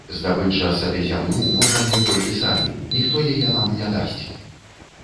Здабыць жа сабе зямлю можам мы толькі самі, ніхто яе нам не дасць.